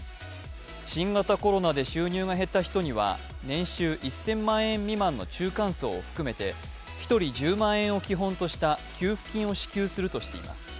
新型コロナで収入が減った人には年収１０００万円未満の中間層を含めて１人１０万円を基本とした給付金を支給するとしています。